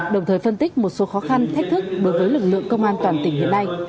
đồng thời phân tích một số khó khăn thách thức đối với lực lượng công an toàn tỉnh hiện nay